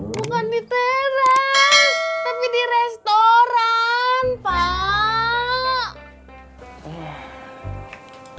bukan di teras tapi di restoran pak